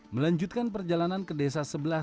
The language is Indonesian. melanjutkan perjalanan ke desa sebelah